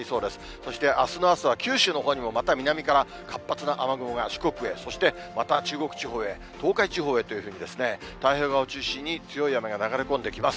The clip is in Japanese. そしてあすの朝は、九州のほうにもまた南から活発な雨雲が四国へ、そしてまた中国地方へ、東海地方へというふうにですね、太平洋側を中心に、強い雨が流れ込んできます。